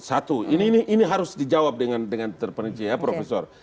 satu ini harus dijawab dengan terpenci ya profesor